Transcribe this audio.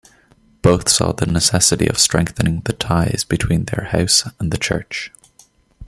Both saw the necessity of strengthening the ties between their house and the Church.